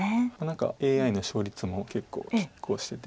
何かＡＩの勝率も結構きっ抗してて。